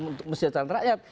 untuk mesjajaran rakyat